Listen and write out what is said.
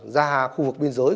ra khu vực biên giới